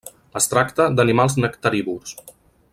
Es tracta d'animals nectarívors.